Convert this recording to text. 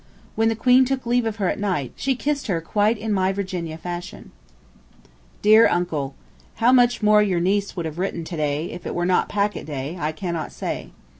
When the Queen took leave of her at night, she kissed her quite in my Virginia fashion. DEAR UNCLE: How much more your niece would have written if to day were not packet day, I cannot say.